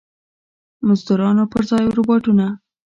مزدورانو پر ځای روباټونه.